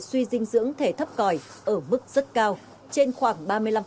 suy dinh dưỡng thể thấp còi ở mức rất cao trên khoảng ba mươi năm